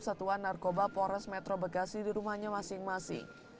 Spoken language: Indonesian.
satuan narkoba polres metro bekasi di rumahnya masing masing